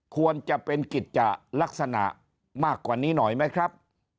ควรจะเป็นกิจจะลักษณะมากกว่านี้หน่อยไหมครับ